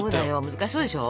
難しそうでしょ？